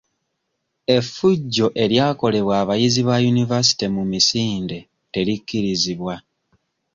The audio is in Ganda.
Effujjo eryakolebwa abayizi ba yunivaasite mu misinde terikkirizibwa.